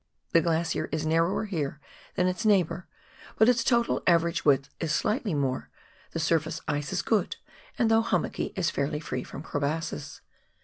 The glacier is narrower here than its neighbour, but its total average width is slightly more ; the surface ice is good, and though hummocky, is fairly free from crevasses.